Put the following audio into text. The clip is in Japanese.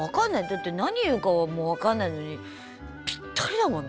だって何言うかも分かんないのにピッタリだもんね。